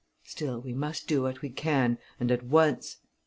Still, we must do what we can, and at once.